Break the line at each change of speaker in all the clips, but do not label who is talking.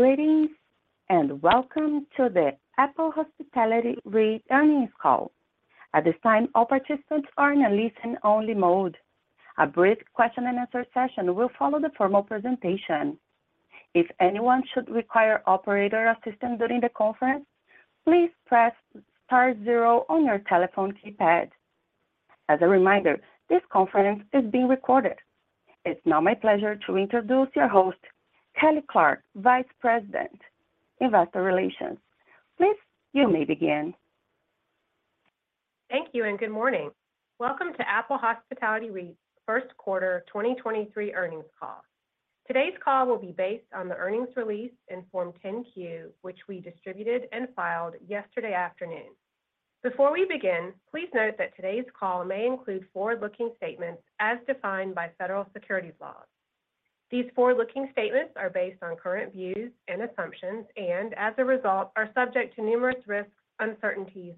Greetings and welcome to the Apple Hospitality REIT earnings call. At this time, all participants are in a listen-only mode. A brief question and answer session will follow the formal presentation. If anyone should require operator assistance during the conference, please press star zero on your telephone keypad. As a reminder, this conference is being recorded. It's now my pleasure to introduce your host, Kelly Clarke, Vice President, Investor Relations. Please, you may begin.
Thank you and good morning. Welcome to Apple Hospitality REIT's first quarter 2023 earnings call. Today's call will be based on the earnings release in Form 10-Q, which we distributed and filed yesterday afternoon. Before we begin, please note that today's call may include forward-looking statements as defined by federal securities laws. These forward-looking statements are based on current views and assumptions, and as a result, are subject to numerous risks, uncertainties,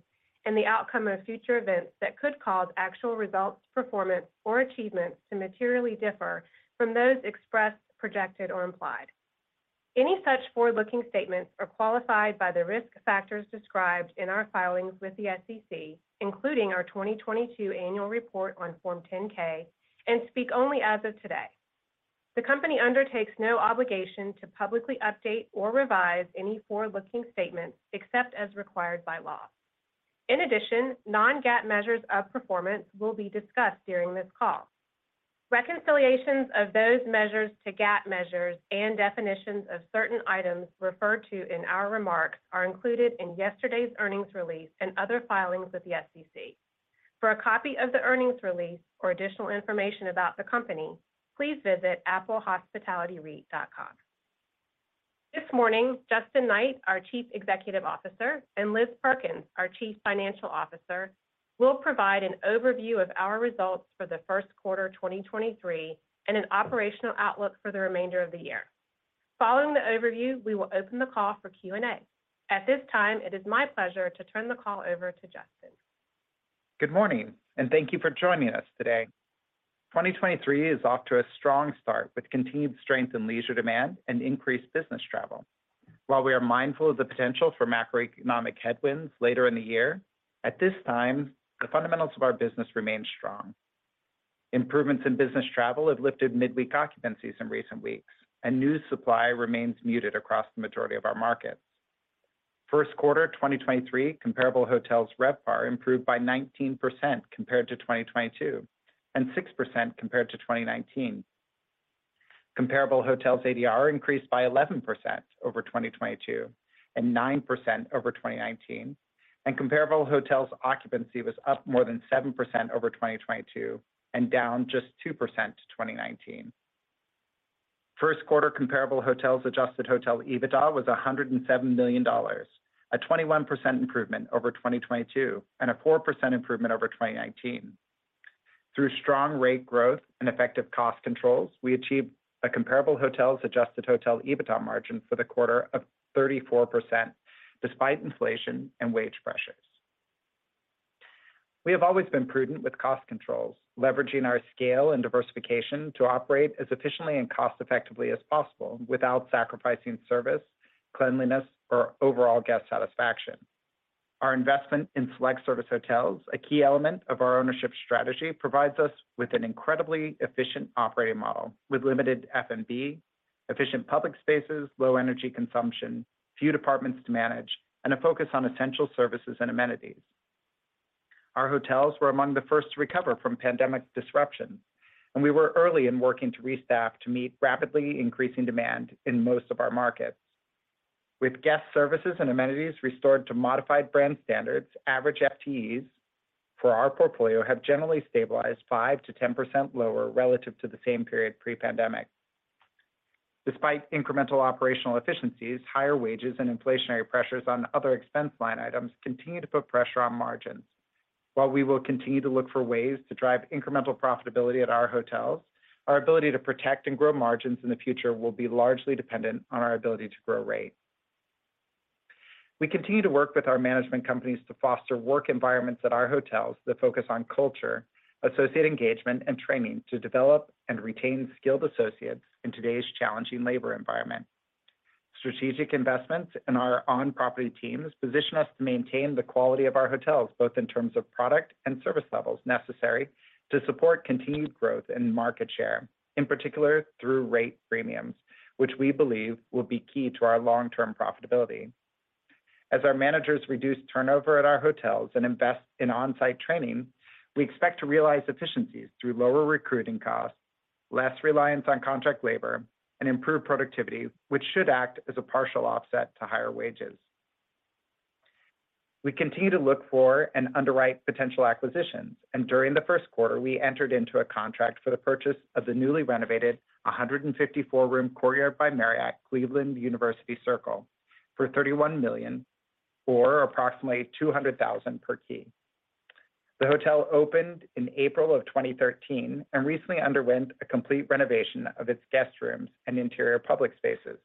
and the outcome of future events that could cause actual results, performance, or achievements to materially differ from those expressed, projected, or implied. Any such forward-looking statements are qualified by the risk factors described in our filings with the SEC, including our 2022 annual report on Form 10-K, and speak only as of today. The company undertakes no obligation to publicly update or revise any forward-looking statements except as required by law. In addition, non-GAAP measures of performance will be discussed during this call. Reconciliations of those measures to GAAP measures and definitions of certain items referred to in our remarks are included in yesterday's earnings release and other filings with the SEC. For a copy of the earnings release or additional information about the company, please visit applehospitalityreit.com. This morning, Justin Knight, our Chief Executive Officer, and Liz Perkins, our Chief Financial Officer, will provide an overview of our results for the first quarter 2023 and an operational outlook for the remainder of the year. Following the overview, we will open the call for Q&A. At this time, it is my pleasure to turn the call over to Justin.
Good morning. Thank you for joining us today. 2023 is off to a strong start with continued strength in leisure demand and increased business travel. While we are mindful of the potential for macroeconomic headwinds later in the year, at this time, the fundamentals of our business remain strong. Improvements in business travel have lifted midweek occupancies in recent weeks, and new supply remains muted across the majority of our markets. First quarter 2023 comparable hotels RevPAR improved by 19% compared to 2022, and 6% compared to 2019. Comparable hotels ADR increased by 11% over 2022 and 9% over 2019, and comparable hotels occupancy was up more than 7% over 2022 and down just 2% to 2019. First quarter comparable hotels adjusted hotel EBITDA was $107 million, a 21% improvement over 2022 and a 4% improvement over 2019. Through strong rate growth and effective cost controls, we achieved a comparable hotels adjusted hotel EBITDA margin for the quarter of 34% despite inflation and wage pressures. We have always been prudent with cost controls, leveraging our scale and diversification to operate as efficiently and cost effectively as possible without sacrificing service, cleanliness, or overall guest satisfaction. Our investment in select service hotels, a key element of our ownership strategy, provides us with an incredibly efficient operating model with limited F&B, efficient public spaces, low energy consumption, few departments to manage, and a focus on essential services and amenities. Our hotels were among the first to recover from pandemic disruption, and we were early in working to restaff to meet rapidly increasing demand in most of our markets. With guest services and amenities restored to modified brand standards, average FTEs for our portfolio have generally stabilized 5%-10% lower relative to the same period pre-pandemic. Despite incremental operational efficiencies, higher wages and inflationary pressures on other expense line items continue to put pressure on margins. While we will continue to look for ways to drive incremental profitability at our hotels, our ability to protect and grow margins in the future will be largely dependent on our ability to grow rate. We continue to work with our management companies to foster work environments at our hotels that focus on culture, associate engagement, and training to develop and retain skilled associates in today's challenging labor environment. Strategic investments in our on-property teams position us to maintain the quality of our hotels, both in terms of product and service levels necessary to support continued growth in market share, in particular through rate premiums, which we believe will be key to our long-term profitability. As our managers reduce turnover at our hotels and invest in on-site training, we expect to realize efficiencies through lower recruiting costs, less reliance on contract labor, and improved productivity, which should act as a partial offset to higher wages. We continue to look for and underwrite potential acquisitions, and during the first quarter we entered into a contract for the purchase of the newly renovated 154-room Courtyard by Marriott, Cleveland University Circle for $31 million or approximately $200,000 per key. The hotel opened in April of 2013 and recently underwent a complete renovation of its guest rooms and interior public spaces.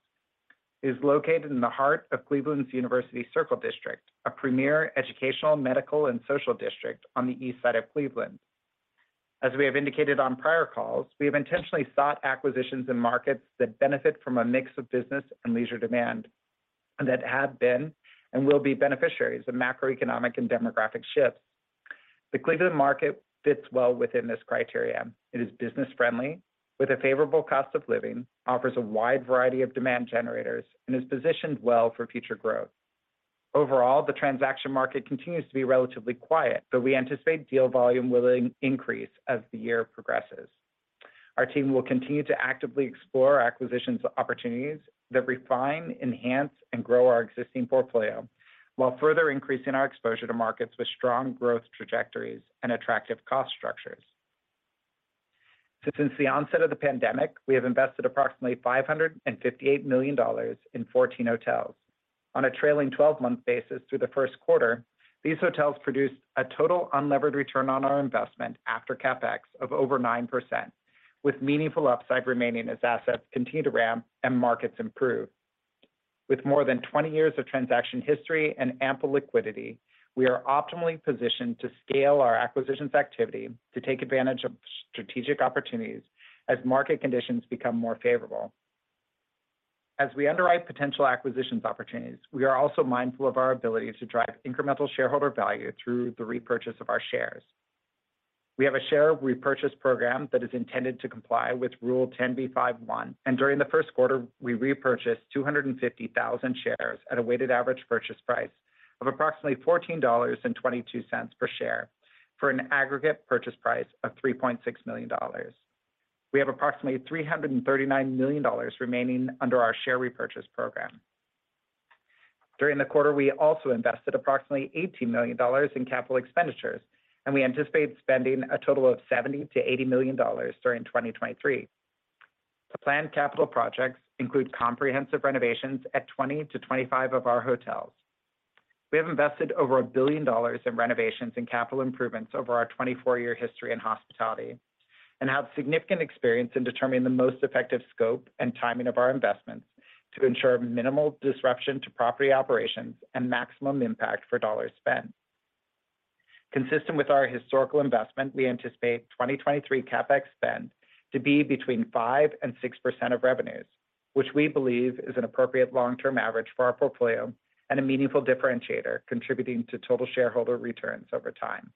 It is located in the heart of Cleveland's University Circle District, a premier educational, medical, and social district on the east side of Cleveland. As we have indicated on prior calls, we have intentionally sought acquisitions in markets that benefit from a mix of business and leisure demand and that have been and will be beneficiaries of macroeconomic and demographic shifts. The Cleveland market fits well within this criteria. It is business-friendly with a favorable cost of living, offers a wide variety of demand generators and is positioned well for future growth. Overall, the transaction market continues to be relatively quiet. We anticipate deal volume will increase as the year progresses. Our team will continue to actively explore acquisitions opportunities that refine, enhance and grow our existing portfolio while further increasing our exposure to markets with strong growth trajectories and attractive cost structures. Since the onset of the pandemic, we have invested approximately $558 million in 14 hotels. On a trailing 12-month basis through the first quarter, these hotels produced a total unlevered return on our investment after CapEx of over 9% with meaningful upside remaining as assets continue to ramp and markets improve. With more than 20 years of transaction history and ample liquidity, we are optimally positioned to scale our acquisitions activity to take advantage of strategic opportunities as market conditions become more favorable. As we underwrite potential acquisitions opportunities, we are also mindful of our ability to drive incremental shareholder value through the repurchase of our shares. We have a Share Repurchase Program that is intended to comply with Rule 10b5-1. During the first quarter, we repurchased 250,000 shares at a weighted average purchase price of approximately $14.22 per share for an aggregate purchase price of $3.6 million. We have approximately $339 million remaining under our Share Repurchase Program. During the quarter, we also invested approximately $80 million in CapEx. We anticipate spending a total of $70 million-$80 million during 2023. The planned capital projects include comprehensive renovations at 20-25 of our hotels. We have invested over $1 billion in renovations and capital improvements over our 24-year history in hospitality and have significant experience in determining the most effective scope and timing of our investments to ensure minimal disruption to property operations and maximum impact for dollars spent. Consistent with our historical investment, we anticipate 2023 CapEx spend to be between 5% and 6% of revenues, which we believe is an appropriate long-term average for our portfolio and a meaningful differentiator contributing to total shareholder returns over time.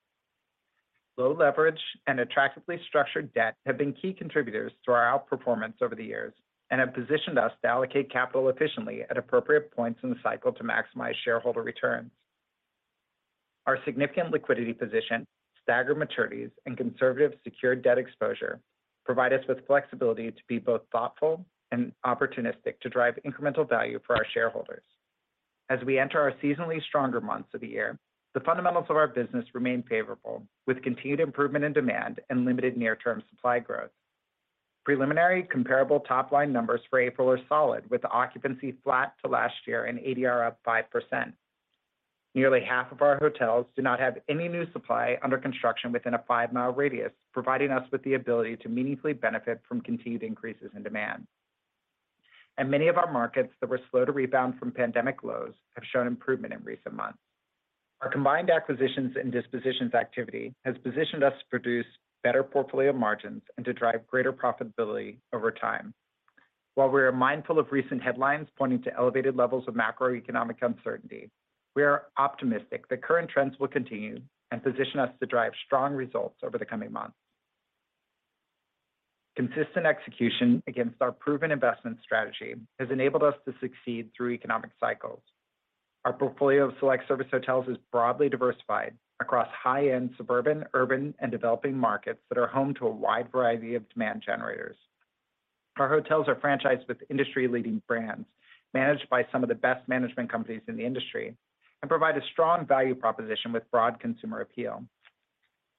Low leverage and attractively structured debt have been key contributors to our outperformance over the years and have positioned us to allocate capital efficiently at appropriate points in the cycle to maximize shareholder returns. Our significant liquidity position, staggered maturities and conservative secured debt exposure provide us with flexibility to be both thoughtful and opportunistic to drive incremental value for our shareholders. As we enter our seasonally stronger months of the year, the fundamentals of our business remain favorable, with continued improvement in demand and limited near-term supply growth. Preliminary comparable top line numbers for April are solid, with occupancy flat to last year and ADR up 5%. Nearly half of our hotels do not have any new supply under construction within a 5 mi radius, providing us with the ability to meaningfully benefit from continued increases in demand. Many of our markets that were slow to rebound from pandemic lows have shown improvement in recent months. Our combined acquisitions and dispositions activity has positioned us to produce better portfolio margins and to drive greater profitability over time. While we are mindful of recent headlines pointing to elevated levels of macroeconomic uncertainty, we are optimistic that current trends will continue and position us to drive strong results over the coming months. Consistent execution against our proven investment strategy has enabled us to succeed through economic cycles. Our portfolio of select service hotels is broadly diversified across high-end suburban, urban and developing markets that are home to a wide variety of demand generators. Our hotels are franchised with industry-leading brands managed by some of the best management companies in the industry and provide a strong value proposition with broad consumer appeal.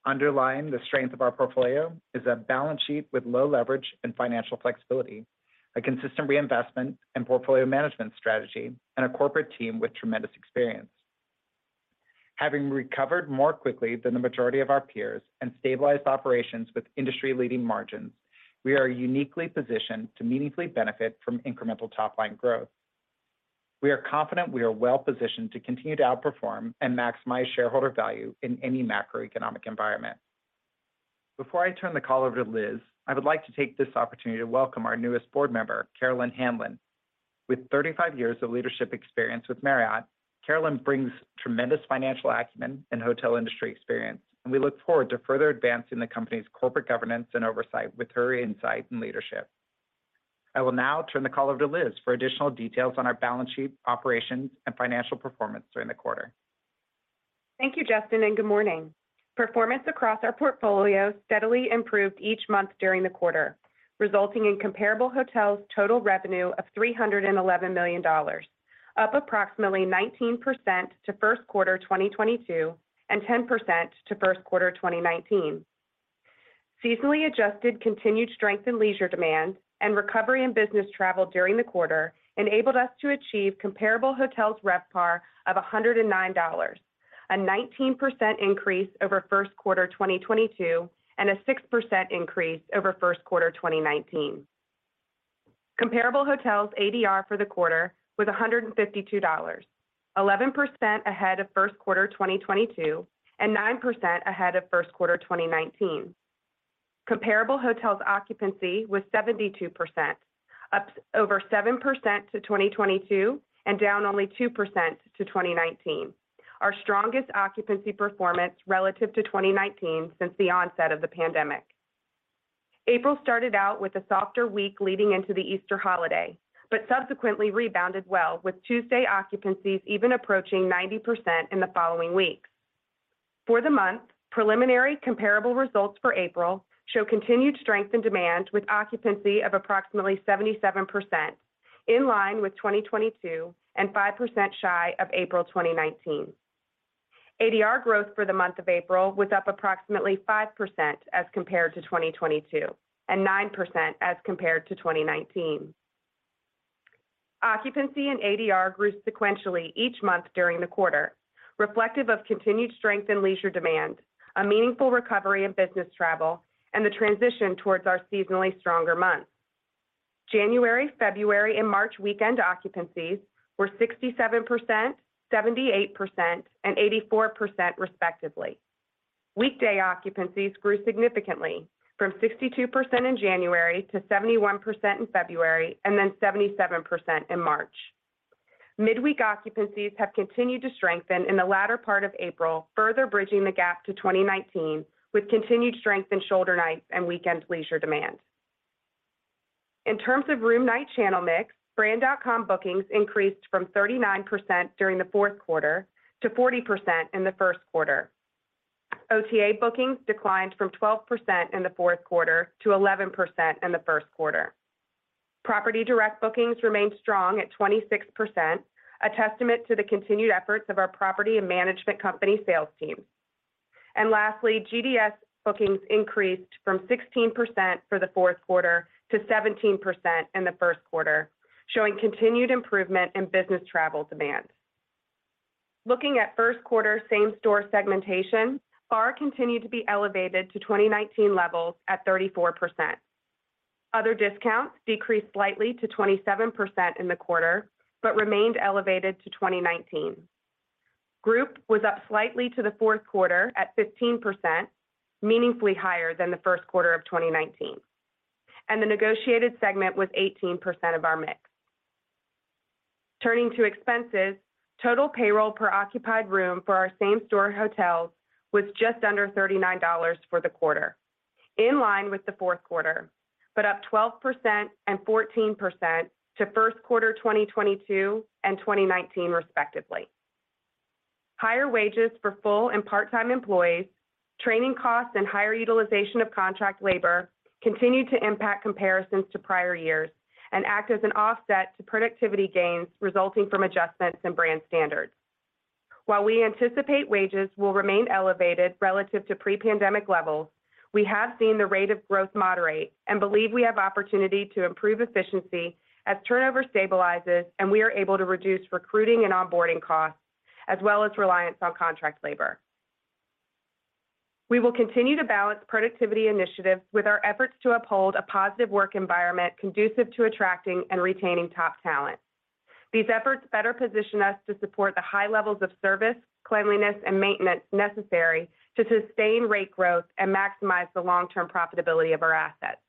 Underlying the strength of our portfolio is a balance sheet with low leverage and financial flexibility, a consistent reinvestment and portfolio management strategy, and a corporate team with tremendous experience. Having recovered more quickly than the majority of our peers and stabilized operations with industry-leading margins, we are uniquely positioned to meaningfully benefit from incremental top line growth. We are confident we are well positioned to continue to outperform and maximize shareholder value in any macroeconomic environment. Before I turn the call over to Liz, I would like to take this opportunity to welcome our newest board member, Carolyn Handlon. With 35 years of leadership experience with Marriott, Carolyn brings tremendous financial acumen and hotel industry experience, and we look forward to further advancing the company's corporate governance and oversight with her insight and leadership. I will now turn the call over to Liz for additional details on our balance sheet, operations and financial performance during the quarter.
Thank you, Justin. Good morning. Performance across our portfolio steadily improved each month during the quarter, resulting in comparable hotels total revenue of $311 million, up approximately 19% to first quarter 2022, and 10% to first quarter 2019. Seasonally adjusted continued strength in leisure demand and recovery in business travel during the quarter enabled us to achieve comparable hotels RevPAR of $109, a 19% increase over first quarter 2022 and a 6% increase over first quarter 2019. Comparable hotels ADR for the quarter was $152, 11% ahead of first quarter 2022, and 9% ahead of first quarter 2019. Comparable hotels occupancy was 72%, up over 7% to 2022 and down only 2% to 2019. Our strongest occupancy performance relative to 2019 since the onset of the pandemic. April started out with a softer week leading into the Easter holiday, subsequently rebounded well with Tuesday occupancies even approaching 90% in the following weeks. For the month, preliminary comparable results for April show continued strength in demand, with occupancy of approximately 77%, in line with 2022 and 5% shy of April 2019. ADR growth for the month of April was up approximately 5% as compared to 2022, and 9% as compared to 2019. Occupancy and ADR grew sequentially each month during the quarter, reflective of continued strength in leisure demand, a meaningful recovery in business travel, and the transition towards our seasonally stronger months. January, February and March weekend occupancies were 67%, 78%, and 84% respectively. Weekday occupancies grew significantly from 62% in January to 71% in February and then 77% in March. Midweek occupancies have continued to strengthen in the latter part of April, further bridging the gap to 2019, with continued strength in shoulder nights and weekend leisure demand. In terms of room night channel mix, brand.com bookings increased from 39% during the fourth quarter to 40% in the first quarter. OTA bookings declined from 12% in the fourth quarter to 11% in the first quarter. Property direct bookings remained strong at 26%, a testament to the continued efforts of our property and management company sales team. Lastly, GDS bookings increased from 16% for the fourth quarter to 17% in the first quarter, showing continued improvement in business travel demand. Looking at first quarter same-store segmentation, BAR continued to be elevated to 2019 levels at 34%. Other discounts decreased slightly to 27% in the quarter. Remained elevated to 2019. Group was up slightly to the fourth quarter at 15%, meaningfully higher than the first quarter of 2019. The negotiated segment was 18% of our mix. Turning to expenses, total payroll per occupied room for our same-store hotels was just under $39 for the quarter, in line with the fourth quarter, but up 12% and 14% to first quarter 2022 and 2019 respectively. Higher wages for full and part-time employees, training costs and higher utilization of contract labor continued to impact comparisons to prior years and act as an offset to productivity gains resulting from adjustments in brand standards. While we anticipate wages will remain elevated relative to pre-pandemic levels, we have seen the rate of growth moderate and believe we have opportunity to improve efficiency as turnover stabilizes and we are able to reduce recruiting and onboarding costs, as well as reliance on contract labor. We will continue to balance productivity initiatives with our efforts to uphold a positive work environment conducive to attracting and retaining top talent. These efforts better position us to support the high levels of service, cleanliness and maintenance necessary to sustain rate growth and maximize the long-term profitability of our assets.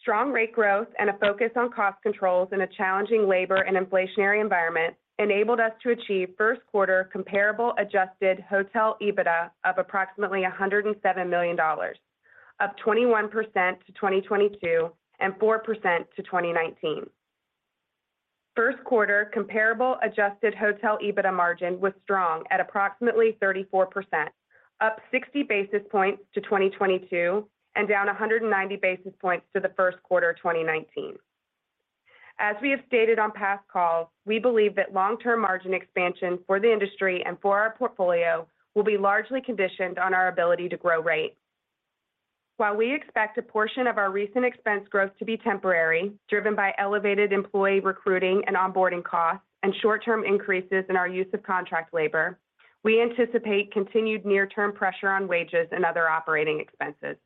Strong rate growth and a focus on cost controls in a challenging labor and inflationary environment enabled us to achieve first quarter comparable adjusted hotel EBITDA of approximately $107 million, up 21% to 2022 and 4% to 2019. First quarter comparable adjusted hotel EBITDA margin was strong at approximately 34%, up 60 basis points to 2022 and down 190 basis points to the first quarter of 2019. We have stated on past calls, we believe that long-term margin expansion for the industry and for our portfolio will be largely conditioned on our ability to grow rates. We expect a portion of our recent expense growth to be temporary, driven by elevated employee recruiting and onboarding costs and short-term increases in our use of contract labor, we anticipate continued near-term pressure on wages and other operating expenses.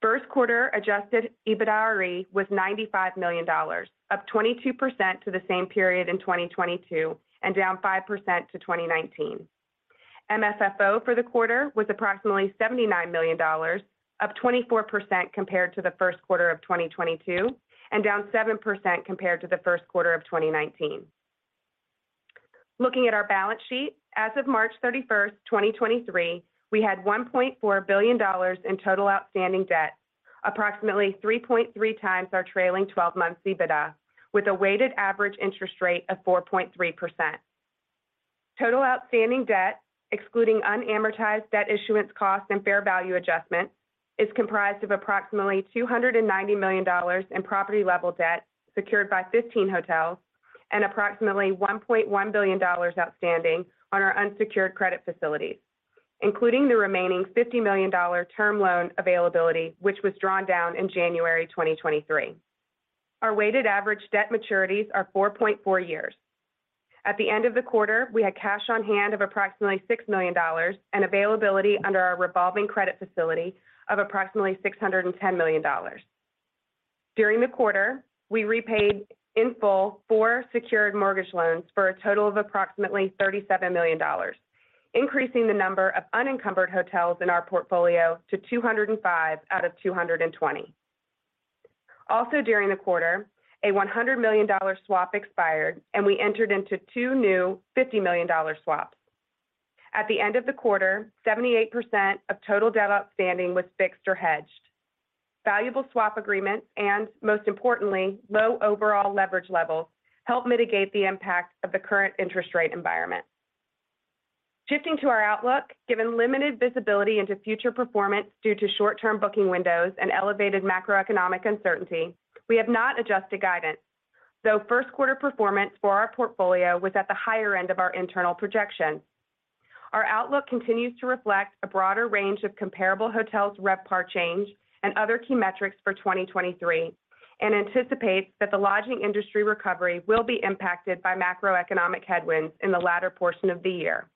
First quarter adjusted EBITDAre was $95 million, up 22% to the same period in 2022 and down 5% to 2019. MFFO for the quarter was approximately $79 million, up 24% compared to the first quarter of 2022, down 7% compared to the first quarter of 2019. Looking at our balance sheet, as of March 31, 2023, we had $1.4 billion in total outstanding debt, approximately 3.3x our trailing 12-month EBITDA, with a weighted average interest rate of 4.3%. Total outstanding debt, excluding unamortized debt issuance costs and fair value adjustments, is comprised of approximately $290 million in property level debt secured by 15 hotels and approximately $1.1 billion outstanding on our unsecured credit facilities, including the remaining $50 million term loan availability, which was drawn down in January 2023. Our weighted average debt maturities are 4.4 years. At the end of the quarter, we had cash on hand of approximately $6 million and availability under our revolving credit facility of approximately $610 million. During the quarter, we repaid in full four secured mortgage loans for a total of approximately $37 million, increasing the number of unencumbered hotels in our portfolio to 205 out of 220. Also during the quarter, a $100 million swap expired, and we entered into two new $50 million swaps. At the end of the quarter, 78% of total debt outstanding was fixed or hedged. Valuable swap agreements and, most importantly, low overall leverage levels help mitigate the impact of the current interest rate environment. Shifting to our outlook, given limited visibility into future performance due to short-term booking windows and elevated macroeconomic uncertainty, we have not adjusted guidance, though first quarter performance for our portfolio was at the higher end of our internal projection. Our outlook continues to reflect a broader range of comparable hotels' RevPAR change and other key metrics for 2023 and anticipates that the lodging industry recovery will be impacted by macroeconomic headwinds in the latter portion of the year,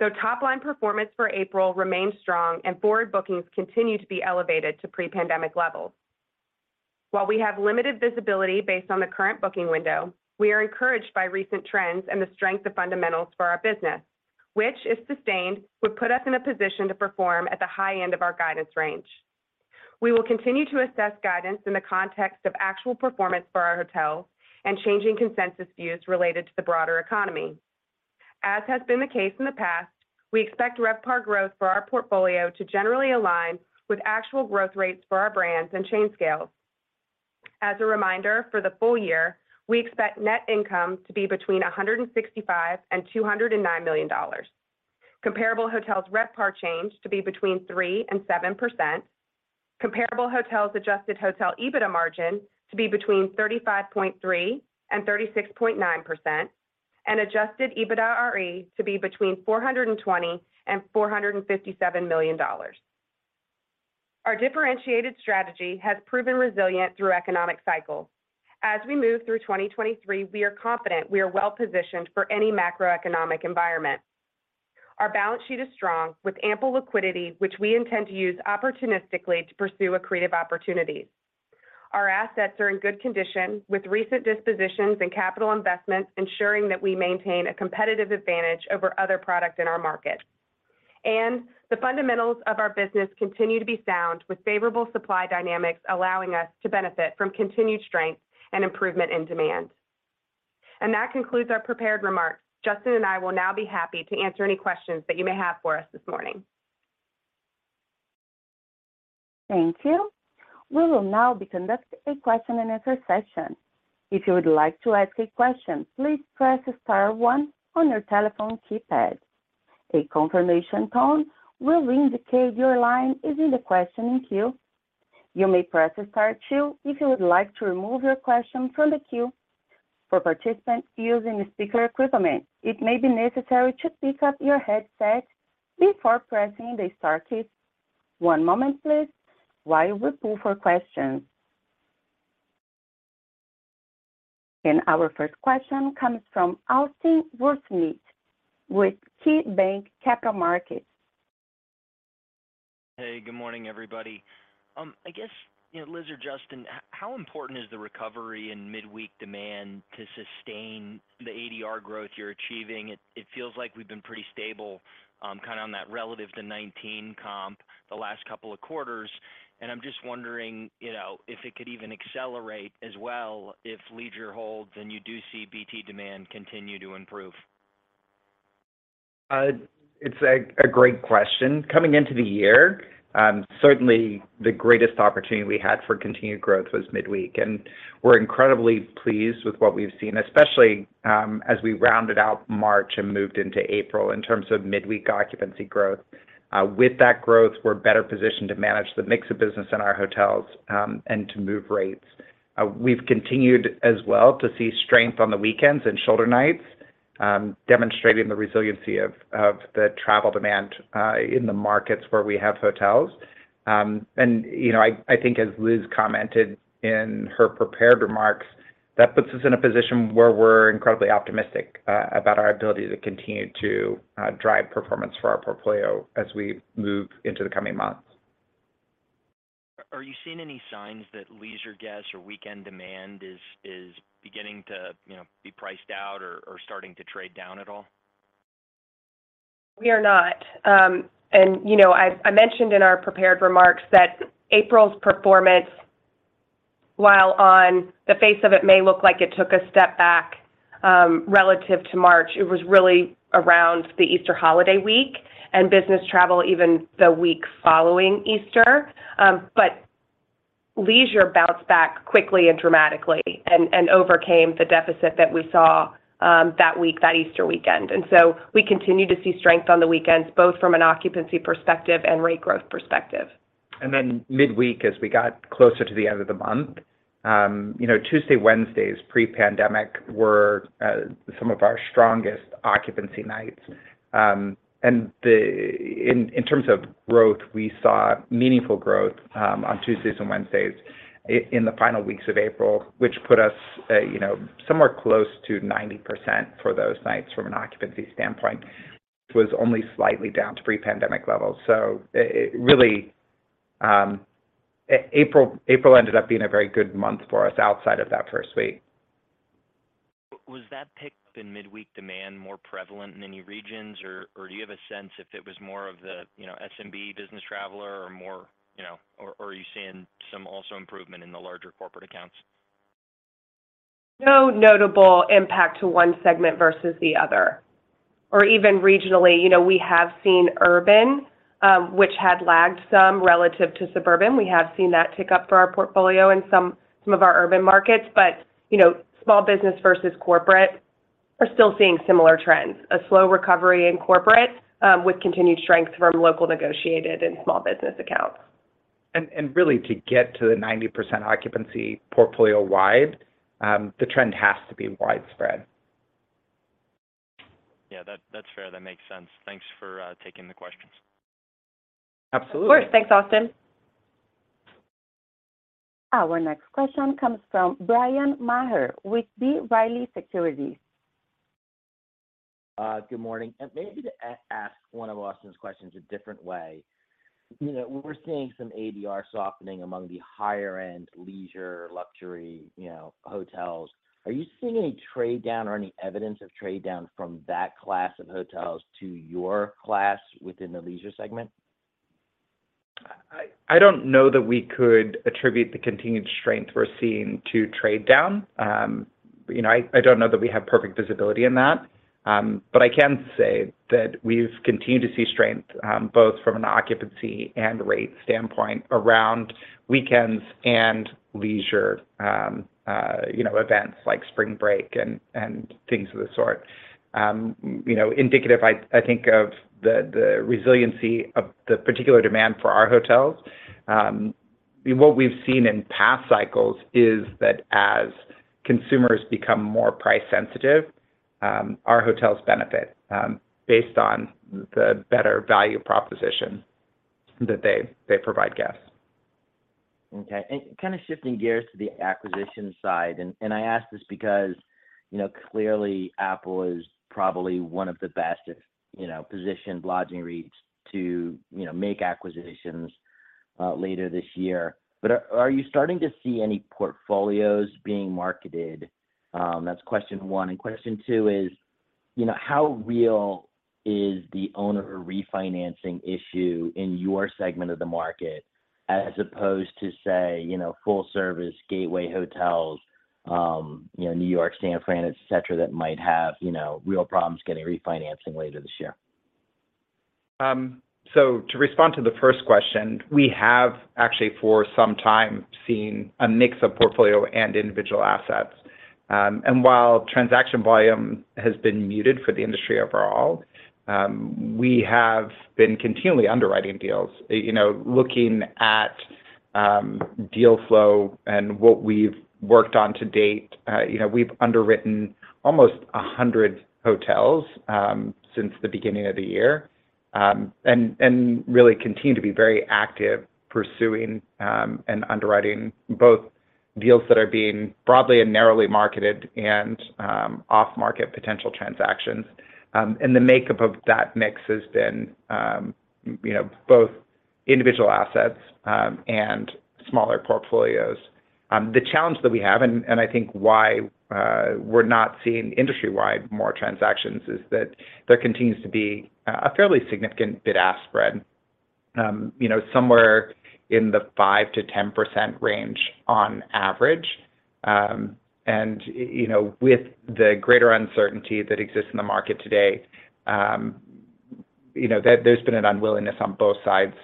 though top line performance for April remains strong and forward bookings continue to be elevated to pre-pandemic levels. While we have limited visibility based on the current booking window, we are encouraged by recent trends and the strength of fundamentals for our business, which, if sustained, would put us in a position to perform at the high end of our guidance range. We will continue to assess guidance in the context of actual performance for our hotels and changing consensus views related to the broader economy. As has been the case in the past, we expect RevPAR growth for our portfolio to generally align with actual growth rates for our brands and chain scales. As a reminder, for the full year, we expect net income to be between $165 million and $209 million, comparable hotels RevPAR change to be between 3% and 7%, comparable hotels adjusted hotel EBITDA margin to be between 35.3% and 36.9% and adjusted EBITDAre to be between $420 million and $457 million. Our differentiated strategy has proven resilient through economic cycles. As we move through 2023, we are confident we are well positioned for any macroeconomic environment. Our balance sheet is strong with ample liquidity, which we intend to use opportunistically to pursue accretive opportunities. Our assets are in good condition with recent dispositions and capital investments, ensuring that we maintain a competitive advantage over other product in our market. The fundamentals of our business continue to be sound with favorable supply dynamics, allowing us to benefit from continued strength and improvement in demand. That concludes our prepared remarks. Justin and I will now be happy to answer any questions that you may have for us this morning.
Thank you. We will now be conducting a question and answer session. If you would like to ask a question, please press star one on your telephone keypad. A confirmation tone will indicate your line is in the questioning queue. You may press star two if you would like to remove your question from the queue. For participants using speaker equipment, it may be necessary to pick up your headset before pressing the star key. One moment please while we pull for questions. Our first question comes from Austin Wurschmidt with KeyBanc Capital Markets.
Hey, good morning, everybody. I guess, you know, Liz or Justin, how important is the recovery in midweek demand to sustain the ADR growth you're achieving? It feels like we've been pretty stable, you know, kind of on that relative to 2019 comp the last couple of quarters. I'm just wondering, you know, if it could even accelerate as well if leisure holds and you do see BT demand continue to improve.
It's a great question. Coming into the year, certainly the greatest opportunity we had for continued growth was midweek, and we're incredibly pleased with what we've seen, especially as we rounded out March and moved into April in terms of midweek occupancy growth. With that growth, we're better positioned to manage the mix of business in our hotels, and to move rates. We've continued as well to see strength on the weekends and shoulder nights, demonstrating the resiliency of the travel demand in the markets where we have hotels. You know, I think as Liz commented in her prepared remarks, that puts us in a position where we're incredibly optimistic about our ability to continue to drive performance for our portfolio as we move into the coming months.
Are you seeing any signs that leisure guests or weekend demand is beginning to, you know, be priced out or starting to trade down at all?
We are not. You know, I mentioned in our prepared remarks that April's performance, while on the face of it may look like it took a step back, relative to March, it was really around the Easter holiday week and business travel even the week following Easter. Leisure bounced back quickly and dramatically and overcame the deficit that we saw that week, that Easter weekend. We continue to see strength on the weekends, both from an occupancy perspective and rate growth perspective.
Midweek as we got closer to the end of the month, you know, Tuesdays, Wednesdays pre-pandemic were some of our strongest occupancy nights. In terms of growth, we saw meaningful growth on Tuesdays and Wednesdays in the final weeks of April, which put us, you know, somewhere close to 90% for those nights from an occupancy standpoint, which was only slightly down to pre-pandemic levels. It really, April ended up being a very good month for us outside of that first week.
Was that pick in midweek demand more prevalent in any regions or do you have a sense if it was more of the, you know, SMB business traveler or more, you know, or are you seeing some also improvement in the larger corporate accounts?
No notable impact to one segment versus the other. Even regionally, you know, we have seen urban, which had lagged some relative to suburban, we have seen that pick up for our portfolio in some of our urban markets. You know, small business versus corporate are still seeing similar trends. A slow recovery in corporate, with continued strength from local negotiated and small business accounts.
And really to get to the 90% occupancy portfolio-wide, the trend has to be widespread.
Yeah. That's fair. That makes sense. Thanks for taking the questions.
Absolutely.
Of course. Thanks, Austin.
Our next question comes from Bryan Maher with B. Riley Securities.
Good morning. Maybe to ask one of Austin's questions a different way. You know, we're seeing some ADR softening among the higher end leisure, luxury, you know, hotels. Are you seeing any trade down or any evidence of trade down from that class of hotels to your class within the leisure segment?
I don't know that we could attribute the continued strength we're seeing to trade down. You know, I don't know that we have perfect visibility in that. I can say that we've continued to see strength, both from an occupancy and rate standpoint around weekends and leisure, you know, events like spring break and things of the sort. You know, indicative, I think of the resiliency of the particular demand for our hotels. What we've seen in past cycles is that as consumers become more price sensitive, our hotels benefit, based on the better value proposition that they provide guests.
Okay. Kind of shifting gears to the acquisition side, and I ask this because, you know, clearly Apple is probably one of the best, if, you know, positioned lodging REITs to, you know, make acquisitions later this year. Are you starting to see any portfolios being marketed? That's question one. Question two is, you know, how real is the owner refinancing issue in your segment of the market as opposed to, say, you know, full service gateway hotels, you know, New York, San Fran, et cetera, that might have, you know, real problems getting refinancing later this year?
To respond to the first question, we have actually for some time seen a mix of portfolio and individual assets. While transaction volume has been muted for the industry overall, we have been continually underwriting deals. You know, looking at deal flow and what we've worked on to date, we've underwritten almost 100 hotels since the beginning of the year. Really continue to be very active pursuing and underwriting both deals that are being broadly and narrowly marketed and off market potential transactions. The makeup of that mix has been both individual assets and smaller portfolios. The challenge that we have and I think why we're not seeing industry-wide more transactions is that there continues to be a fairly significant bid-ask spread, you know, somewhere in the 5%-10% range on average. You know, with the greater uncertainty that exists in the market today, you know, there's been an unwillingness on both sides,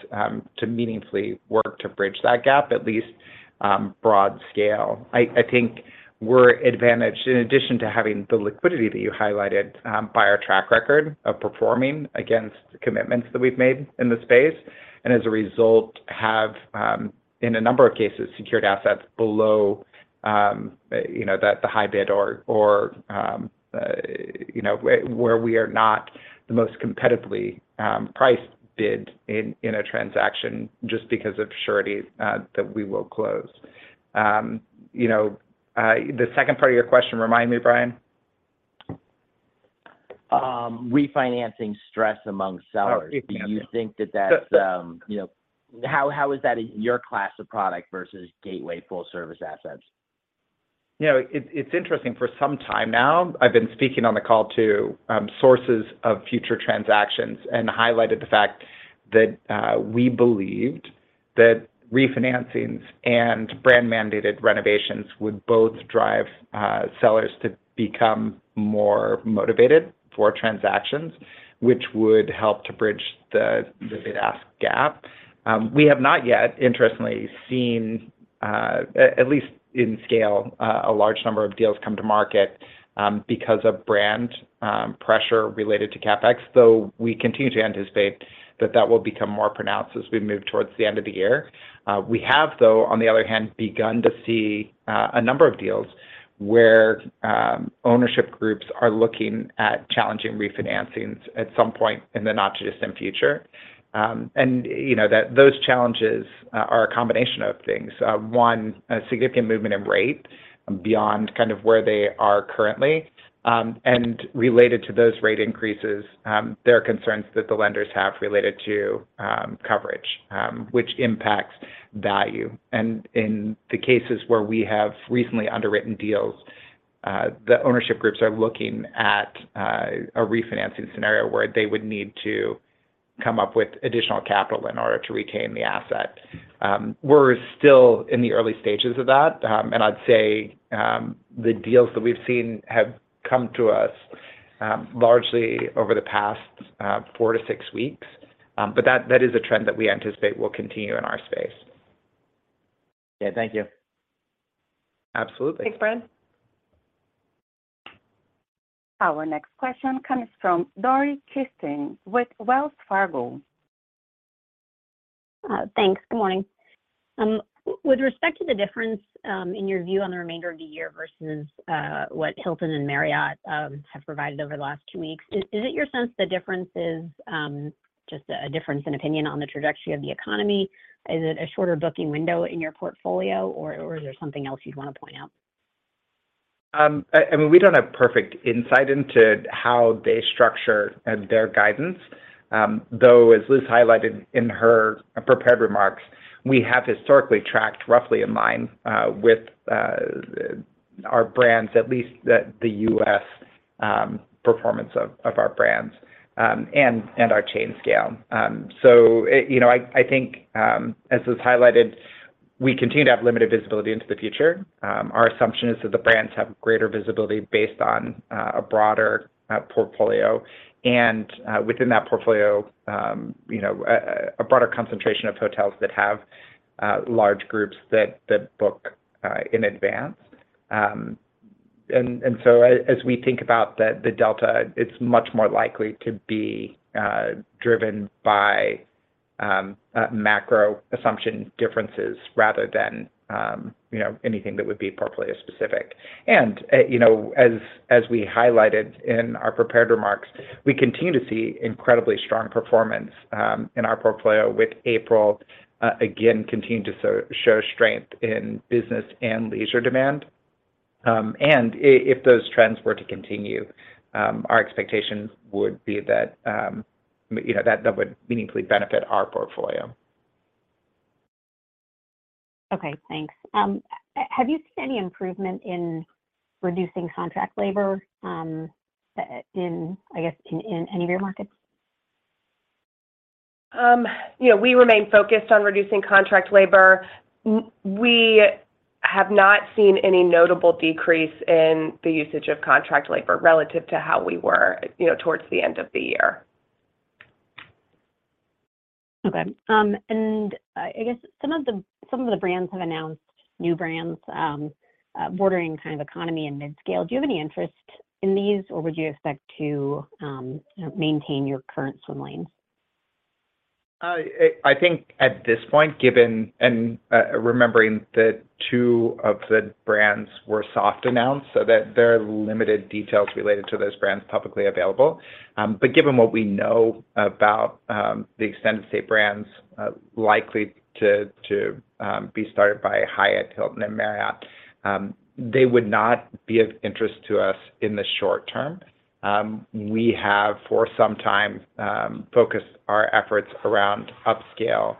to meaningfully work to bridge that gap, at least, broad scale. I think we're advantaged in addition to having the liquidity that you highlighted, by our track record of performing against commitments that we've made in the space, and as a result have, in a number of cases, secured assets below, you know, the high bid or, you know, where we are not the most competitively priced bid in a transaction just because of surety that we will close. You know, the second part of your question remind me, Bryan?
Refinancing stress among sellers.
Oh, yeah.
How is that in your class of product versus gateway full service assets?
You know, it's interesting for some time now, I've been speaking on the call to sources of future transactions and highlighted the fact that we believed that refinancings and brand-mandated renovations would both drive sellers to become more motivated for transactions, which would help to bridge the bid-ask gap. We have not yet interestingly seen, at least in scale, a large number of deals come to market because of brand pressure related to CapEx, though we continue to anticipate that that will become more pronounced as we move towards the end of the year. We have, though, on the other hand, begun to see a number of deals where ownership groups are looking at challenging refinancings at some point in the not too distant future. You know, that those challenges are a combination of things. One, a significant movement in rate beyond kind of where they are currently. Related to those rate increases, there are concerns that the lenders have related to coverage, which impacts value. In the cases where we have recently underwritten deals, the ownership groups are looking at a refinancing scenario where they would need to come up with additional capital in order to retain the asset. We're still in the early stages of that, and I'd say the deals that we've seen have come to us largely over the past four to six weeks. That, that is a trend that we anticipate will continue in our space.
Yeah. Thank you.
Absolutely.
Thanks, Bryan.
Our next question comes from Dori Kesten with Wells Fargo.
Thanks. Good morning. With respect to the difference in your view on the remainder of the year versus what Hilton and Marriott have provided over the last two weeks, is it your sense the difference is just a difference in opinion on the trajectory of the economy? Is it a shorter booking window in your portfolio, or is there something else you'd wanna point out?
We don't have perfect insight into how they structure their guidance. As Liz highlighted in her prepared remarks, we have historically tracked roughly in line with our brands, at least the U.S. performance of our brands, and our chain scale. You know, I think, as was highlighted, we continue to have limited visibility into the future. Our assumption is that the brands have greater visibility based on a broader portfolio and within that portfolio, you know, a broader concentration of hotels that have large groups that book in advance. As we think about the delta, it's much more likely to be driven by macro assumption differences rather than, you know, anything that would be portfolio specific. You know, as we highlighted in our prepared remarks, we continue to see incredibly strong performance in our portfolio with April again continuing to show strength in business and leisure demand. If those trends were to continue, our expectations would be that, you know, that would meaningfully benefit our portfolio.
Okay, thanks. Have you seen any improvement in reducing contract labor, in, I guess, in any of your markets?
You know, we remain focused on reducing contract labor. We have not seen any notable decrease in the usage of contract labor relative to how we were, you know, towards the end of the year.
Okay. I guess some of the, some of the brands have announced new brands, bordering kind of economy and midscale. Do you have any interest in these, or would you expect to, you know, maintain your current swim lanes?
I think at this point, given and remembering that two of the brands were soft announced, so that there are limited details related to those brands publicly available. Given what we know about the extended stay brands, likely to be started by Hyatt, Hilton and Marriott, they would not be of interest to us in the short term. We have for some time focused our efforts around upscale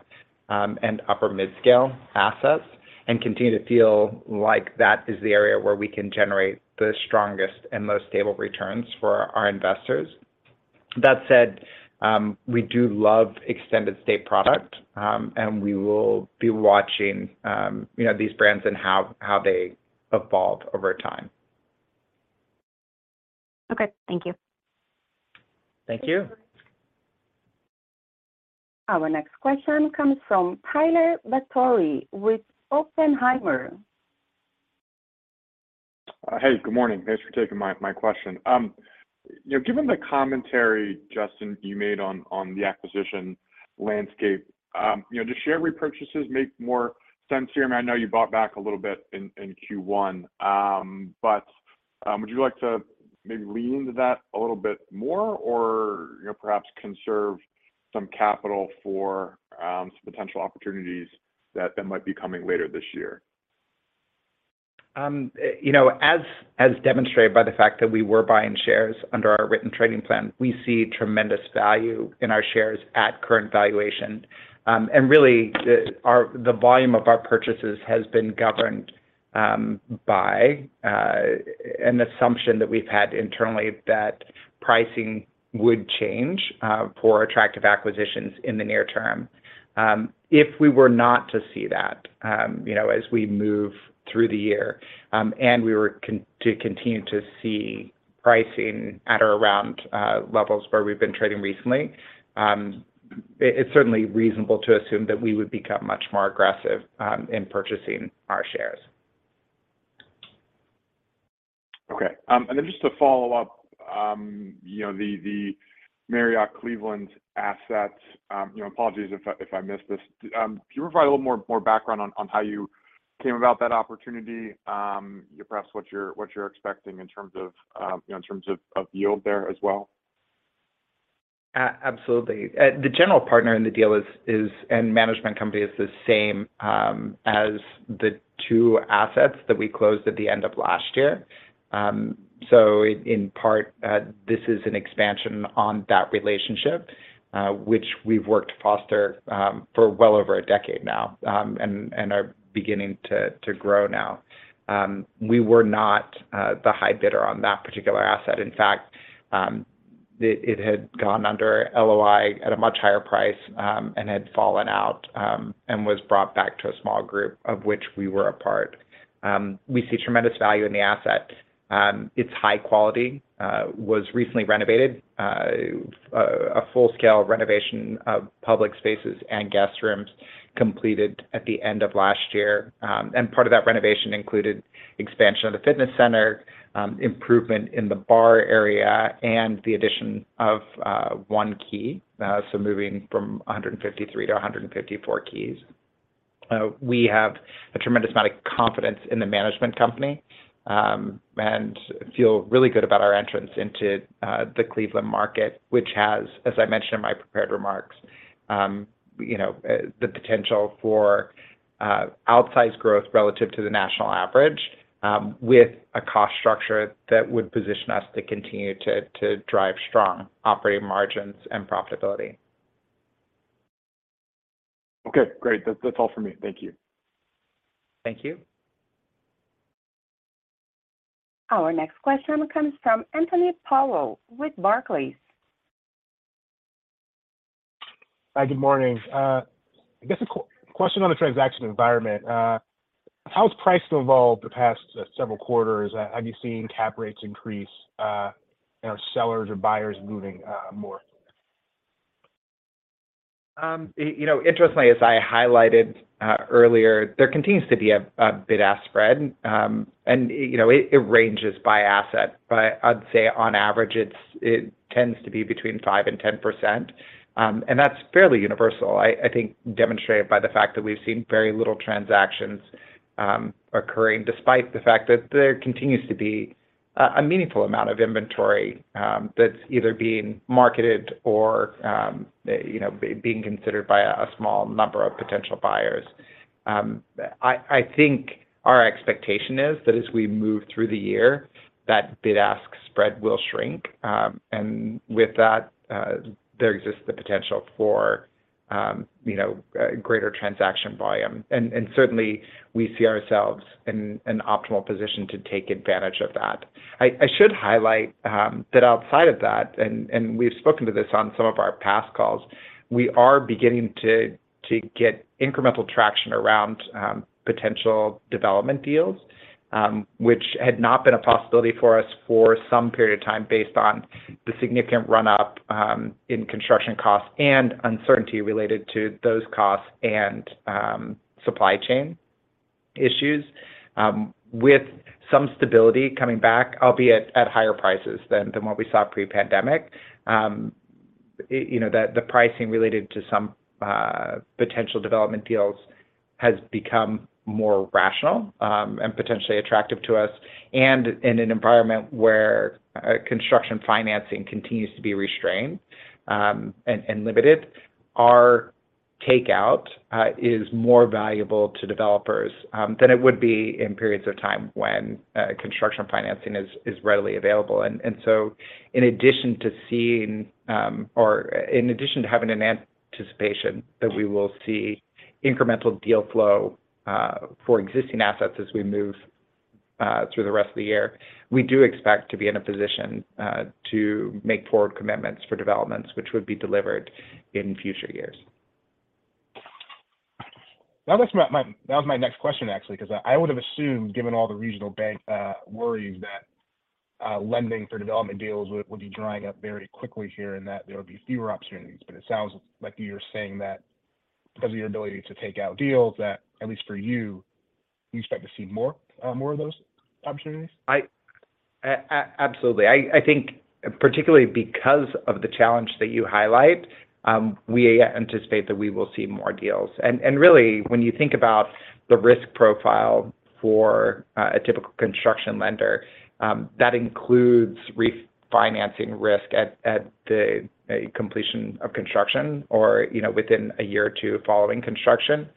and upper midscale assets, and continue to feel like that is the area where we can generate the strongest and most stable returns for our investors. That said, we do love extended stay product, and we will be watching, you know, these brands and how they evolve over time.
Okay. Thank you.
Thank you.
Our next question comes from Tyler Batory with Oppenheimer.
Hey, good morning. Thanks for taking my question. You know, given the commentary, Justin, you made on the acquisition landscape, you know, do share repurchases make more sense here? I mean, I know you bought back a little bit in Q1. Would you like to maybe lean into that a little bit more or, you know, perhaps conserve some capital for, some potential opportunities that might be coming later this year?
You know, as demonstrated by the fact that we were buying shares under our written trading plan, we see tremendous value in our shares at current valuation. Really the volume of our purchases has been governed by an assumption that we've had internally that pricing would change for attractive acquisitions in the near term. If we were not to see that, you know, as we move through the year, and we were to continue to see pricing at or around levels where we've been trading recently, it's certainly reasonable to assume that we would become much more aggressive in purchasing our shares.
Okay. Just to follow up, you know, the Marriott Cleveland assets, you know, apologies if I missed this. Can you provide a little more background on how you came about that opportunity? Perhaps what you're expecting in terms of, you know, in terms of yield there as well?
Absolutely. The general partner in the deal is and management company is the same, as the two assets that we closed at the end of last year. In part, this is an expansion on that relationship, which we've worked to foster for well over a decade now, and are beginning to grow now. We were not the high bidder on that particular asset. In fact, it had gone under LOI at a much higher price, and had fallen out, and was brought back to a small group of which we were a part. We see tremendous value in the asset. It's high quality, was recently renovated, a full-scale renovation of public spaces and guest rooms completed at the end of last year. Part of that renovation included expansion of the fitness center, improvement in the bar area, and the addition of one key, so moving from 153-154 keys. We have a tremendous amount of confidence in the management company, and feel really good about our entrance into the Cleveland market, which has, as I mentioned in my prepared remarks, you know, the potential for outsized growth relative to the national average, with a cost structure that would position us to continue to drive strong operating margins and profitability.
Okay, great. That's all for me. Thank you.
Thank you.
Our next question comes from Anthony Palo with Barclays.
Hi, good morning. I guess a question on the transaction environment. How has price evolved the past several quarters? Have you seen cap rates increase, sellers or buyers moving more?
You know, interestingly, as I highlighted, earlier, there continues to be a bid-ask spread. You know, it ranges by asset, but I'd say on average it tends to be between 5% and 10%. That's fairly universal, I think demonstrated by the fact that we've seen very little transactions, occurring despite the fact that there continues to be a meaningful amount of inventory, that's either being marketed or, you know, being considered by a small number of potential buyers. I think our expectation is that as we move through the year, that bid-ask spread will shrink. With that, there exists the potential for, you know, greater transaction volume. Certainly we see ourselves in an optimal position to take advantage of that. I should highlight that outside of that, and we've spoken to this on some of our past calls, we are beginning to get incremental traction around potential development deals, which had not been a possibility for us for some period of time based on the significant run up in construction costs and uncertainty related to those costs and supply chain issues. With some stability coming back, albeit at higher prices than what we saw pre-pandemic, you know, the pricing related to some potential development deals has become more rational and potentially attractive to us. In an environment where construction financing continues to be restrained and limited, our takeout is more valuable to developers than it would be in periods of time when construction financing is readily available. In addition to seeing, or in addition to having an anticipation that we will see incremental deal flow for existing assets as we move through the rest of the year, we do expect to be in a position to make forward commitments for developments which would be delivered in future years.
That was my... That was my next question, actually, because I would have assumed, given all the regional bank worries that lending for development deals would be drying up very quickly here and that there would be fewer opportunities. It sounds like you're saying that because of your ability to take out deals that at least for you expect to see more of those opportunities.
Absolutely. I think particularly because of the challenge that you highlight, we anticipate that we will see more deals. And really when you think about the risk profile for a typical construction lender, that includes refinancing risk at the completion of construction or, you know, within a year or two following construction.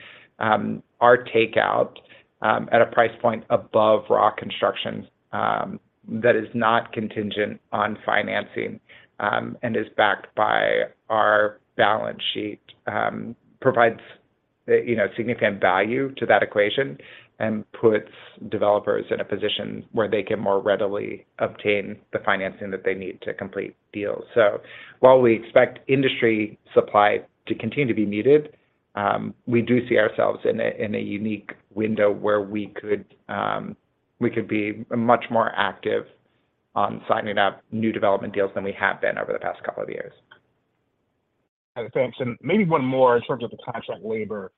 Our takeout at a price point above raw construction, that is not contingent on financing, and is backed by our balance sheet, provides, you know, significant value to that equation and puts developers in a position where they can more readily obtain the financing that they need to complete deals. While we expect industry supply to continue to be muted, we do see ourselves in a unique window where we could be much more active on signing up new development deals than we have been over the past couple of years.
Thanks. Maybe one more in terms of the contract labor.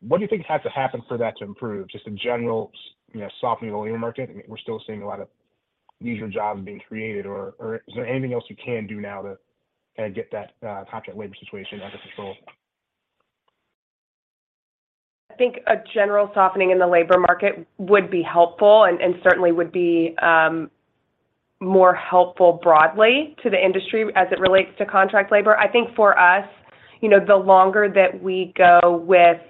What do you think has to happen for that to improve? Just in general, you know, softening the labor market. We're still seeing a lot of leisure jobs being created. Is there anything else you can do now to kind of get that contract labor situation under control?
I think a general softening in the labor market would be helpful and certainly would be more helpful broadly to the industry as it relates to contract labor. I think for us, you know, the longer that we go with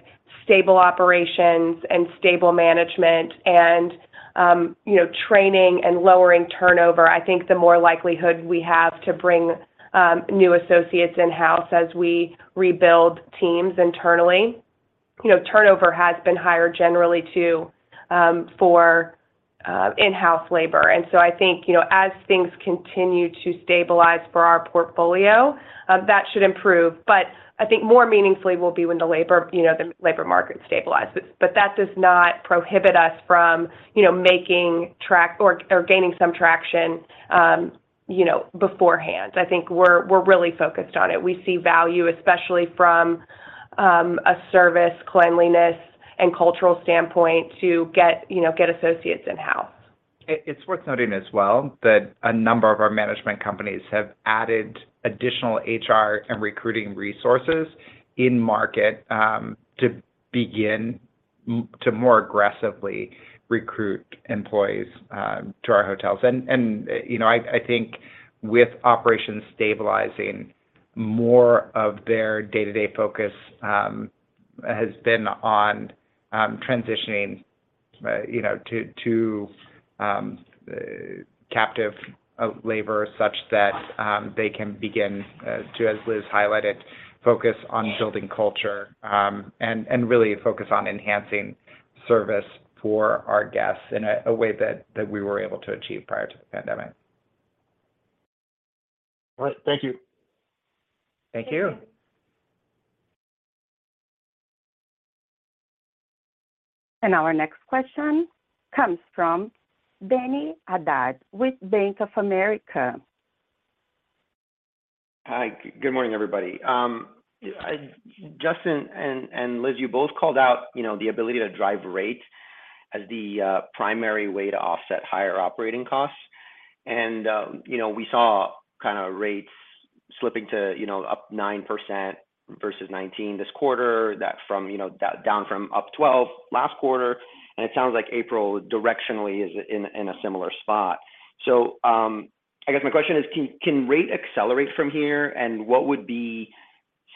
stable operations and stable management and, you know, training and lowering turnover, I think the more likelihood we have to bring new associates in-house as we rebuild teams internally.
You know, turnover has been higher generally too, for in-house labor. I think, you know, as things continue to stabilize for our portfolio, that should improve. I think more meaningfully will be when the labor, you know, the labor market stabilizes. That does not prohibit us from, you know, making track or gaining some traction, you know, beforehand. I think we're really focused on it. We see value, especially from a service cleanliness and cultural standpoint to get, you know, get associates in-house.
It's worth noting as well that a number of our management companies have added additional HR and recruiting resources in market to begin to more aggressively recruit employees to our hotels. You know, I think with operations stabilizing, more of their day-to-day focus has been on transitioning, you know, to captive labor such that they can begin to as Liz highlighted, focus on building culture and really focus on enhancing service for our guests in a way that we were able to achieve prior to the pandemic.
All right. Thank you.
Thank you.
Thank you.
Our next question comes from Dany Asad with Bank of America.
Good morning, everybody. Justin and Liz, you both called out, you know, the ability to drive rate as the primary way to offset higher operating costs. You know, we saw kind of rates slipping to, you know, up 9% versus 2019 this quarter, that from, down from up 12% last quarter, and it sounds like April directionally is in a similar spot. I guess my question is, can rate accelerate from here, and what would be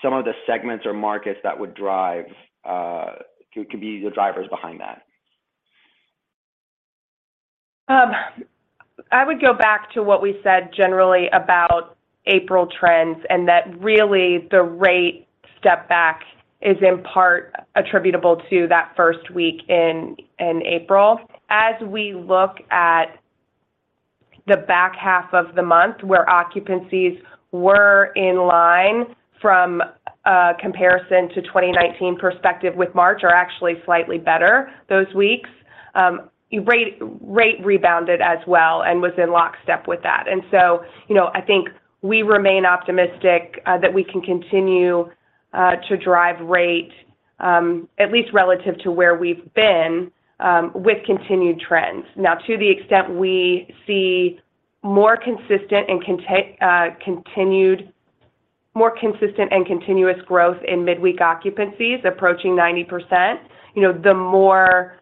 some of the segments or markets that would drive, could be the drivers behind that?
I would go back to what we said generally about April trends and that really the rate step back is in part attributable to that first week in April. As we look at the back half of the month where occupancies were in line from a comparison to 2019 perspective with March are actually slightly better those weeks, rate rebounded as well and was in lockstep with that. You know, I think we remain optimistic that we can continue to drive rate at least relative to where we've been with continued trends. To the extent we see more consistent and continued... More consistent and continuous growth in midweek occupancies approaching 90%, you know, the more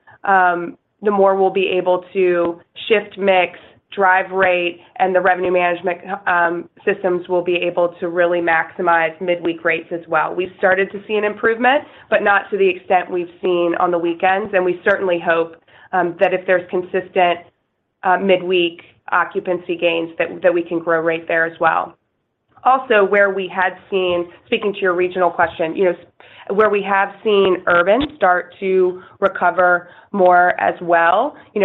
we'll be able to shift mix, drive rate, and the revenue management systems will be able to really maximize midweek rates as well. We started to see an improvement, but not to the extent we've seen on the weekends, we certainly hope that if there's consistent midweek occupancy gains that we can grow right there as well. Where we had seen, speaking to your regional question, you know, where we have seen urban start to recover more as well, you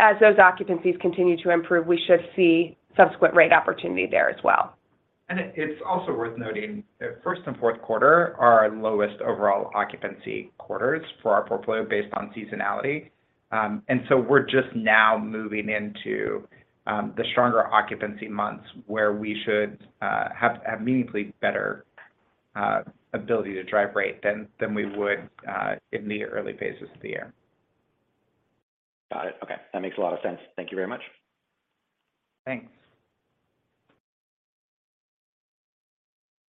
know, as those occupancies continue to improve, we should see subsequent rate opportunity there as well.
It's also worth noting that first and fourth quarter are our lowest overall occupancy quarters for our portfolio based on seasonality. We're just now moving into the stronger occupancy months where we should have a meaningfully better ability to drive rate than we would in the early phases of the year.
Got it. That makes a lot of sense. Thank you very much.
Thanks.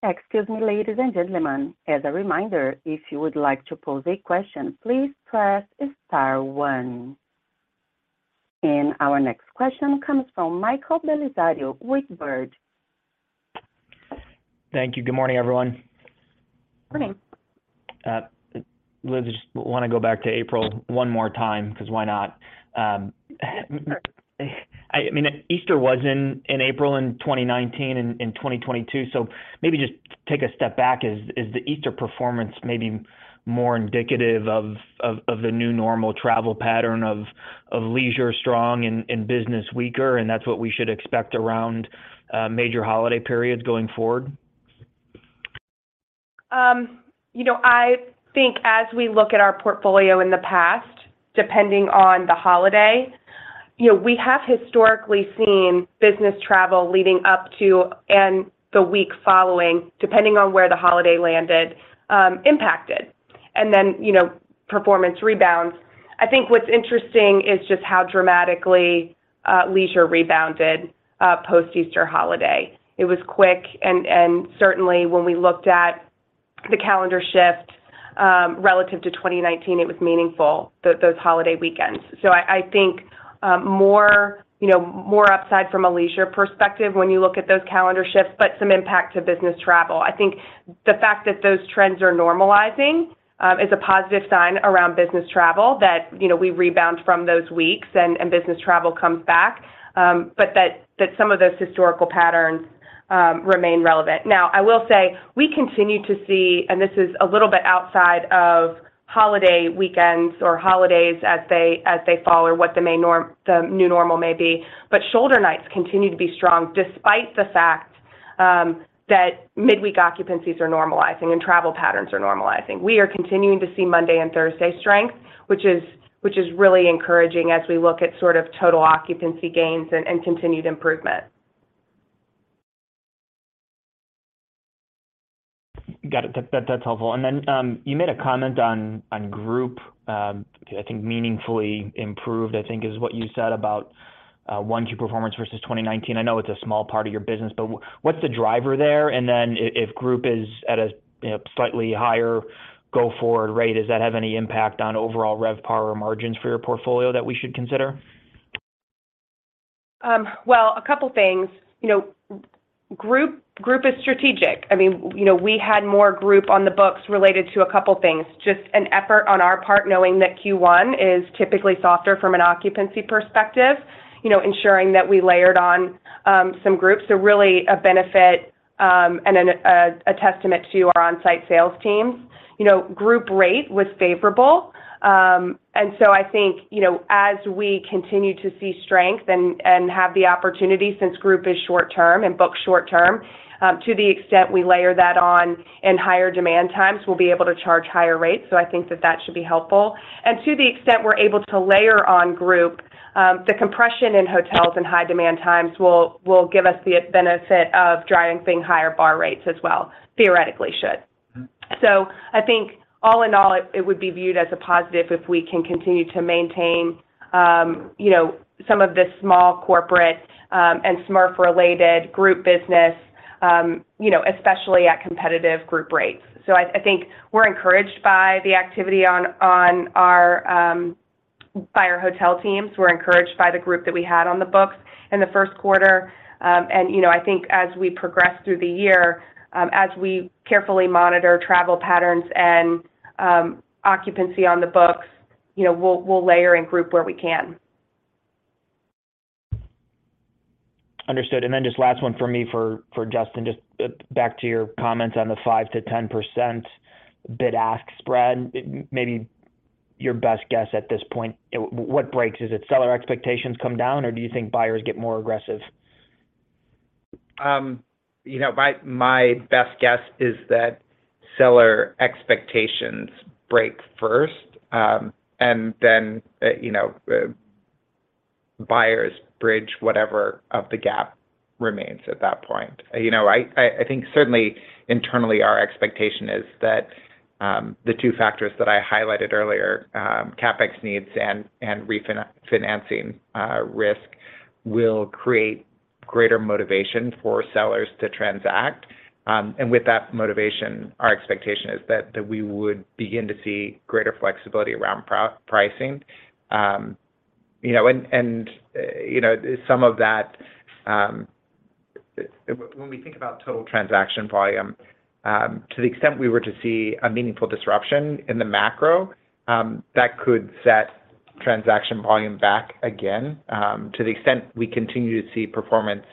Excuse me, ladies and gentlemen. As a reminder, if you would like to pose a question, please press star one. Our next question comes from Michael Bellisario with Baird.
Thank you. Good morning, everyone.
Morning.
Liz, just wanna go back to April one more time because why not? I mean, Easter was in April in 2019 and in 2022. Maybe just take a step back. Is the Easter performance maybe more indicative of the new normal travel pattern of leisure strong and business weaker, and that's what we should expect around major holiday periods going forward?
You know, I think as we look at our portfolio in the past, depending on the holiday, you know, we have historically seen business travel leading up to and the week following, depending on where the holiday landed, impacted, and then, you know, performance rebounds. I think what's interesting is just how dramatically leisure rebounded post Easter holiday. It was quick and certainly when we looked at the calendar shift, relative to 2019, it was meaningful, those holiday weekends. I think, more, you know, more upside from a leisure perspective when you look at those calendar shifts, but some impact to business travel. I think the fact that those trends are normalizing is a positive sign around business travel that, you know, we rebound from those weeks and business travel comes back. That some of those historical patterns remain relevant. I will say we continue to see, and this is a little bit outside of holiday weekends or holidays as they fall, or what the main new normal may be, but shoulder nights continue to be strong despite the fact that midweek occupancies are normalizing and travel patterns are normalizing. We are continuing to see Monday and Thursday strength, which is really encouraging as we look at sort of total occupancy gains and continued improvement.
Got it. That's helpful. You made a comment on group. I think meaningfully improved, I think is what you said about Q1 performance versus 2019. I know it's a small part of your business, but what's the driver there? If group is at a, you know, slightly higher go forward rate, does that have any impact on overall RevPAR or margins for your portfolio that we should consider?
Well, a couple things. You know, group is strategic. I mean, you know, we had more group on the books related to a couple things. Just an effort on our part knowing that Q1 is typically softer from an occupancy perspective, you know, ensuring that we layered on some groups are really a benefit and a testament to our on-site sales teams. You know, group rate was favorable. I think, you know, as we continue to see strength and have the opportunity since group is short term and books short term, to the extent we layer that on in higher demand times, we'll be able to charge higher rates. I think that that should be helpful. To the extent we're able to layer on group, the compression in hotels and high demand times will give us the benefit of driving higher BAR rates as well, theoretically should. I think all in all, it would be viewed as a positive if we can continue to maintain, you know, some of the small corporate, and SMERF related group business, you know, especially at competitive group rates. I think we're encouraged by the activity by our hotel teams. We're encouraged by the group that we had on the books in the first quarter. You know, I think as we progress through the year, as we carefully monitor travel patterns and occupancy on the books, you know, we'll layer and group where we can.
Understood. Just last one for me for Justin, just back to your comments on the 5%-10% bid-ask spread. Maybe your best guess at this point, what breaks? Is it seller expectations come down, or do you think buyers get more aggressive?
You know, my best guess is that seller expectations break first, then, you know, buyers bridge whatever of the gap remains at that point. You know, I think certainly internally our expectation is that the two factors that I highlighted earlier, CapEx needs and refinancing risk will create greater motivation for sellers to transact. With that motivation, our expectation is that we would begin to see greater flexibility around pricing. You know, some of that, when we think about total transaction volume, to the extent we were to see a meaningful disruption in the macro, that could set transaction volume back again, to the extent we continue to see performance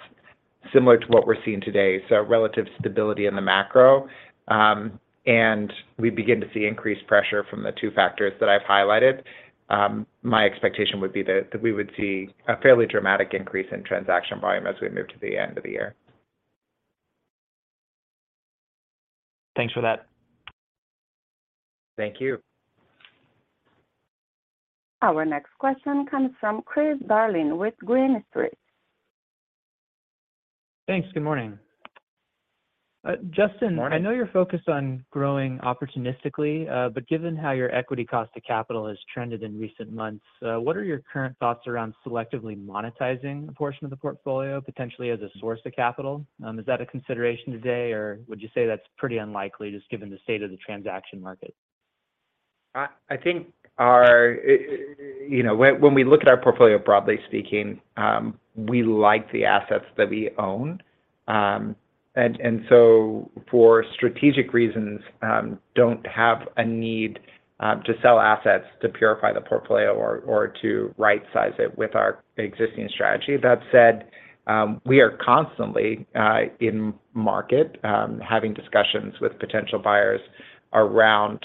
similar to what we're seeing today, so relative stability in the macro, and we begin to see increased pressure from the two factors that I've highlighted, my expectation would be that we would see a fairly dramatic increase in transaction volume as we move to the end of the year.
Thanks for that.
Thank you.
Our next question comes from Chris Darling with Green Street.
Thanks. Good morning.
Morning.
Justin, I know you're focused on growing opportunistically, but given how your equity cost to capital has trended in recent months, what are your current thoughts around selectively monetizing a portion of the portfolio potentially as a source of capital? Is that a consideration today, or would you say that's pretty unlikely just given the state of the transaction market?
I think our, you know, when we look at our portfolio, broadly speaking, we like the assets that we own, for strategic reasons, don't have a need to sell assets to purify the portfolio or to right size it with our existing strategy. That said, we are constantly in market having discussions with potential buyers around,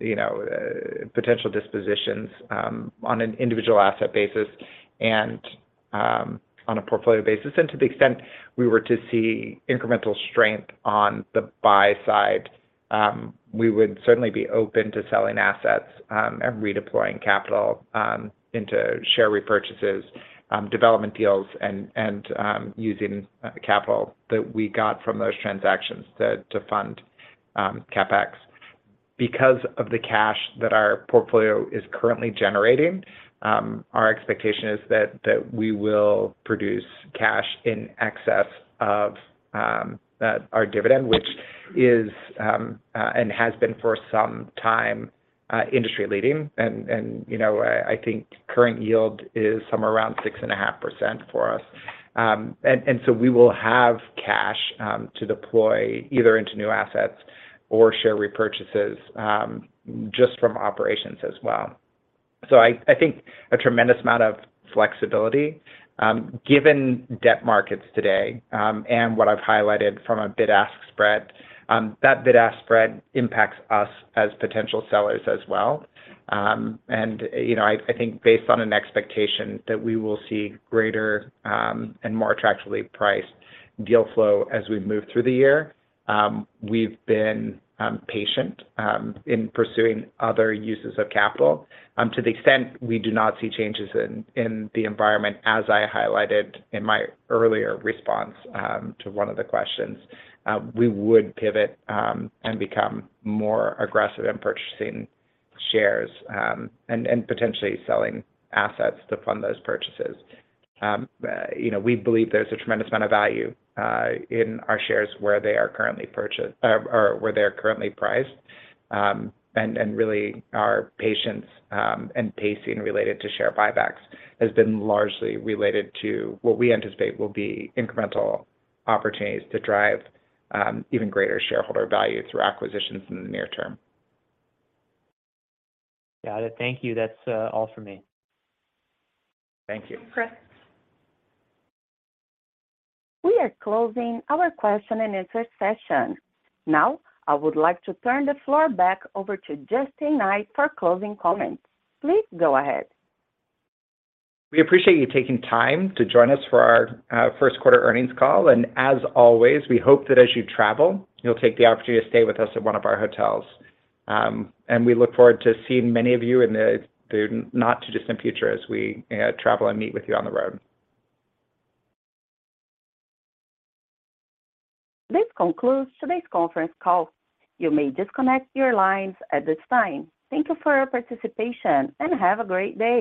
you know, potential dispositions on an individual asset basis and on a portfolio basis. To the extent we were to see incremental strength on the buy side, we would certainly be open to selling assets and redeploying capital into share repurchases, development deals and using capital that we got from those transactions to fund CapEx. Because of the cash that our portfolio is currently generating, our expectation is that we will produce cash in excess of our dividend, which is and has been for some time, industry leading. You know, I think current yield is somewhere around 6.5% for us. So we will have cash to deploy either into new assets or share repurchases, just from operations as well. I think a tremendous amount of flexibility, given debt markets today, and what I've highlighted from a bid-ask spread, that bid-ask spread impacts us as potential sellers as well. You know, I think based on an expectation that we will see greater, and more attractively priced deal flow as we move through the year, we've been patient in pursuing other uses of capital. To the extent we do not see changes in the environment, as I highlighted in my earlier response, to one of the questions, we would pivot and become more aggressive in purchasing shares, and potentially selling assets to fund those purchases. You know, we believe there's a tremendous amount of value in our shares where they are currently priced. Really our patience, and pacing related to share buybacks has been largely related to what we anticipate will be incremental opportunities to drive, even greater shareholder value through acquisitions in the near term.
Got it. Thank you. That's all for me.
Thank you.
Chris. We are closing our question and answer session. I would like to turn the floor back over to Justin Knight for closing comments. Please go ahead.
We appreciate you taking time to join us for our first quarter earnings call. As always, we hope that as you travel, you'll take the opportunity to stay with us at one of our hotels. We look forward to seeing many of you in the not too distant future as we travel and meet with you on the road.
This concludes today's conference call. You may disconnect your lines at this time. Thank you for your participation, and have a great day.